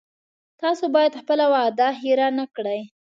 تاسو باید خپله وعده هیره نه کړی